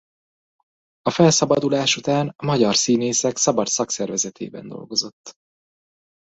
A felszabadulás után a Magyar Színészek Szabad Szakszervezetében dolgozott.